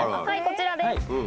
はいこちらです。